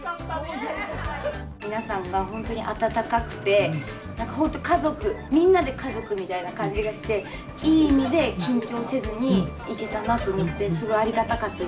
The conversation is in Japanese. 皆さんが本当に温かくて何か本当家族みんなで家族みたいな感じがしていい意味で緊張せずにいけたなと思ってすごいありがたかったです。